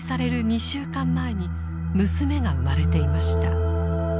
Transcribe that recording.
２週間前に娘が生まれていました。